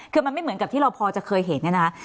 คือมันไม่เหมือนกับที่เราพอจะเคยเห็นเนี่ยนะคะ